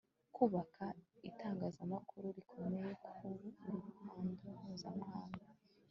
kubaka itangazamakuru rikomeye ku ruhando mpuzamahanga